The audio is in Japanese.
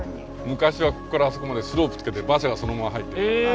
昔はここからあそこまでスロープつけて馬車がそのまま入っていった。